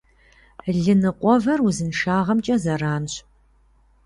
Лы ныкъуэвэр узыншагъэмкӏэ зэранщ.